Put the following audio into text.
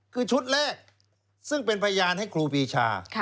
คือชุดแรกซึ่งเป็นพยานให้ครูปีชา